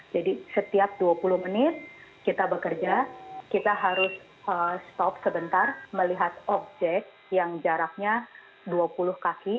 setiap dua puluh menit kita bekerja kita harus stop sebentar melihat objek yang jaraknya dua puluh kaki